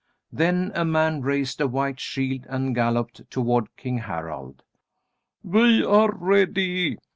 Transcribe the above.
Then a man raised a white shield and galloped toward King Harald. "We are ready!"